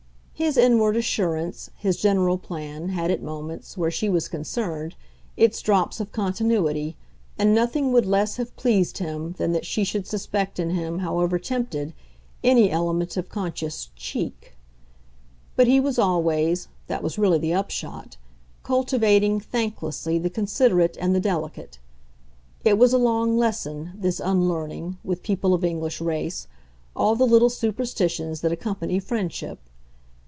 His inward assurance, his general plan, had at moments, where she was concerned, its drops of continuity, and nothing would less have pleased him than that she should suspect in him, however tempted, any element of conscious "cheek." But he was always that was really the upshot cultivating thanklessly the considerate and the delicate: it was a long lesson, this unlearning, with people of English race, all the little superstitions that accompany friendship.